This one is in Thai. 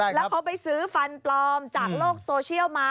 แล้วเขาไปซื้อฟันปลอมจากโลกโซเชียลมา